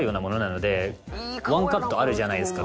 ワンカットあるじゃないですか